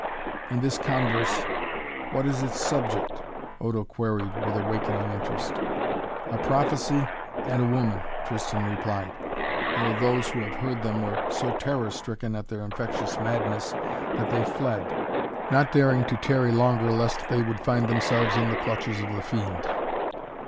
"And this converse what is its subject?" Odo queried with awakening interest. "A prophecy and a woman," Tristan replied. "Though those who heard them were so terror stricken at their infectious madness that they fled not daring to tarry longer lest they would find themselves in the clutches of the fiend."